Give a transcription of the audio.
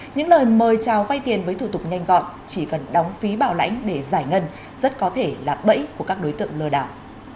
những lời mời chào vay tiền với thủ tục nhanh gọn chỉ cần đóng phí bảo lãnh để giải ngân rất có thể là bẫy của các đối tượng lừa đảo